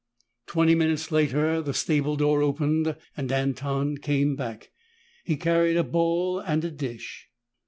Twenty minutes later, the stable door opened and Anton came back. He carried a bowl and a dish.